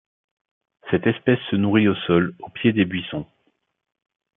Cette espèce se nourrit au sol au pied des buissons.